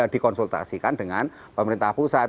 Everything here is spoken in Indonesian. dikonsultasikan dengan pemerintah pusat